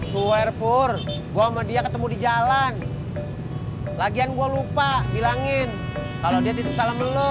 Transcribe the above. suare pur gua mau dia ketemu di jalan lagian gua lupa bilangin kalau dia tidur salam lu